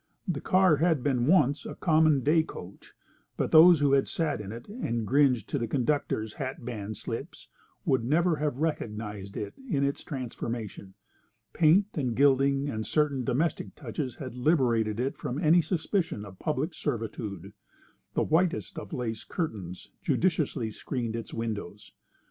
The car had been once a common day coach, but those who had sat in it and gringed to the conductor's hat band slips would never have recognised it in its transformation. Paint and gilding and certain domestic touches had liberated it from any suspicion of public servitude. The whitest of lace curtains judiciously screened its windows.